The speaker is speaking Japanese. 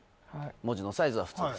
文字のサイズは普通です。